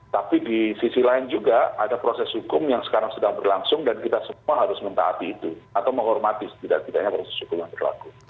tapi di sisi lain juga ada proses hukum yang sekarang sedang berlangsung dan kita semua harus mentaati itu atau menghormati setidak tidaknya proses hukum yang berlaku